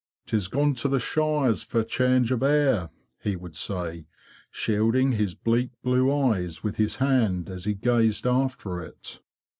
""'Tis gone to the shires fer change o' air,'' he would say, shielding his bleak blue eyes with his hand, as he gazed after it.